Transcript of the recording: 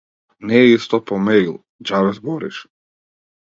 Не е исто по мејл, џабе збориш.